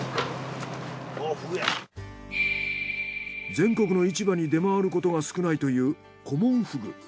全国の市場に出回ることが少ないというコモンフグ。